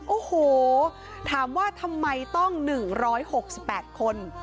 โอ้โหถามว่าทำไมต้อง๑๖๘คน